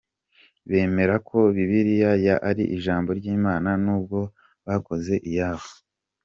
Bemera ko Bibiliya ari ijambo ry’Imana n’ubwo bakoze iyabo.